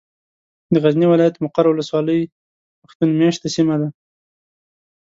د غزني ولايت ، مقر ولسوالي پښتون مېشته سيمه ده.